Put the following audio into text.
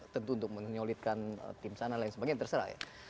tentu untuk menyolidkan tim sana dan lain sebagainya terserah ya